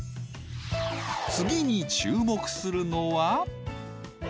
次に注目するのは。